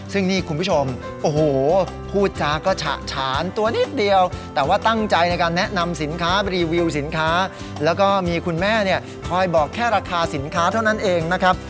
ซึ่งนี่คุณผู้ชมโอ้โหพูดจาก็ฉะฉานตัวนิดเดียวแต่ว่าตั้งใจในการแนะนำสินค้ารีวิวสินค้าแล้วก็มีคุณแม่เนี่ยคอยบอกแค่ราคาสินค้าเท่านั้นเองนะครับ